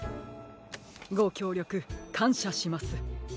ごきょうりょくかんしゃします。